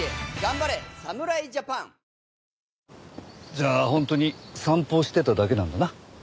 じゃあ本当に散歩をしてただけなんだな？